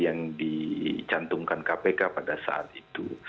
yang dicantumkan kpk pada saat itu